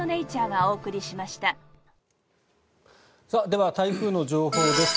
では、台風の情報です。